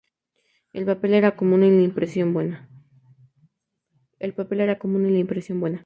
El papel era común y la impresión buena.